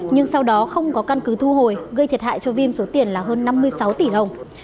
nhưng sau đó không có căn cứ thu hồi gây thiệt hại cho vim số tiền là hơn năm mươi sáu tỷ đồng